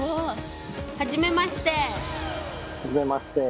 はじめまして。